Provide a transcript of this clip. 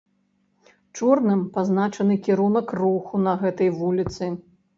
Чорным пазначаны кірунак руху на гэтай вуліцы.